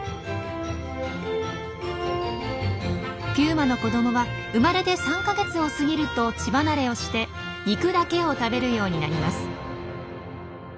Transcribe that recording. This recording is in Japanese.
ピューマの子どもは生まれて３か月を過ぎると乳離れをして肉だけを食べるようになります。